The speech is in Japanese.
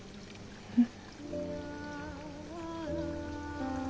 うん。